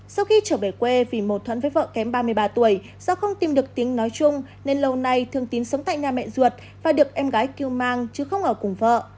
sau khi trở về quê vì mâu thuẫn với vợ kém ba mươi ba tuổi do không tìm được tiếng nói chung nên lâu nay thường tín sống tại nhà mẹ ruột và được em gái cứu mang chứ không ở cùng vợ